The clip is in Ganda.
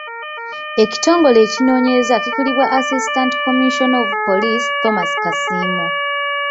Ekitongole ekinonyereza kikulirwa Assistant Commissioner of Police Thomas Kasiimo.